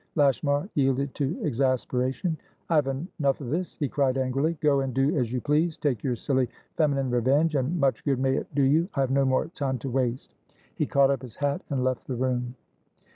Lashmar yielded to exasperation. "I have enough of this," he cried angrily. "Go and do as you please! Take your silly feminine revenge, and much good may it do you! I have no more time to waste." He caught up his hat, and left the room.